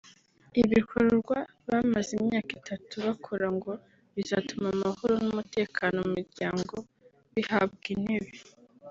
Ibi bikorwa bamaze imyaka itatu bakora ngo bizatuma amahoro n’umutekano mu miryango bihabwa intebe